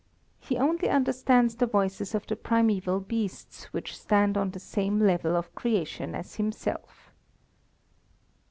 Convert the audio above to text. He only understands the voices of the primæval beasts which stand on the same level of creation as himself.